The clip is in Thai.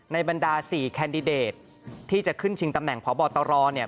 ในบรรดาสี่ที่จะขึ้นชิงตำแหน่งพบตรเนี่ย